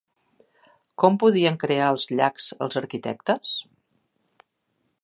Com podien crear els llacs els arquitectes?